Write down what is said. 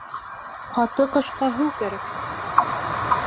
Ҡаты ҡышҡа һыу кәрәк